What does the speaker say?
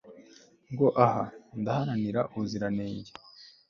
ngo aha ndaharanira ubuziranenge